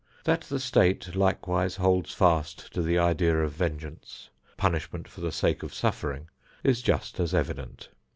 That the State likewise holds fast to the idea of vengeance, punishment for the sake of suffering, is just as evident.